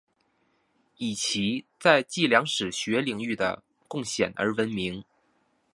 以其在计量史学领域的贡献而闻名。